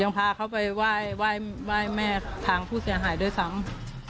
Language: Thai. พาเขาไปไหว้แม่ทางผู้เสียหายด้วยซ้ำ